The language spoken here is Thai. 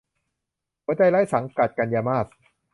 หัวใจไร้สังกัด - กันยามาส